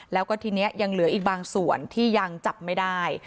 แล้วก็ทีนี้ยังเหลืออีกบางส่วนที่ยังจับไม่ได้